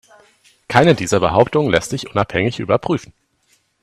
Keine dieser Behauptungen lässt sich unabhängig überprüfen.